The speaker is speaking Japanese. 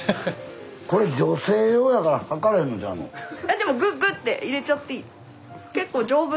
でもグッグッて入れちゃっていい。